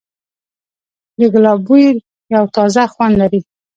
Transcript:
د ګلاب بوی یو تازه خوند لري.